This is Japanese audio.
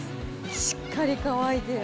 しっかり乾いてる。